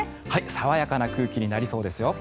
爽やかな空気になりそうですよ。